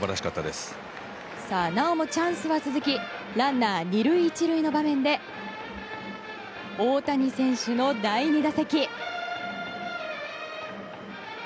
なおもチャンスは続きランナー２塁１塁の場面で大谷選手の第２打席。